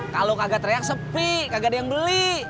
kalau kagak teriak sepi kagak ada yang beli